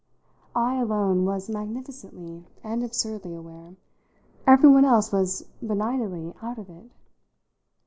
I alone was magnificently and absurdly aware everyone else was benightedly out of it.